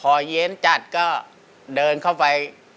พอเย็นจัดก็เดินเข้าไป